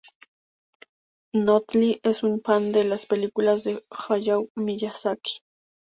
Noodle es una fan de las películas de Hayao Miyazaki.